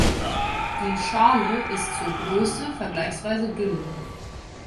Die Schale ist zur Größe vergleichsweise dünn.